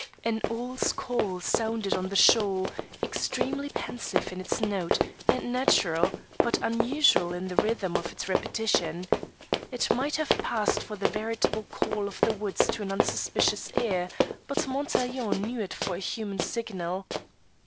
An owl's call sounded on the shore, extremely pensive in its note, and natural, but unusual in the rhythm of its repetition. It might have passed for the veritable call of the woods to an unsuspicious ear, but Montaiglon knew it for a human signal.